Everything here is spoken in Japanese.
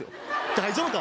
大丈夫か？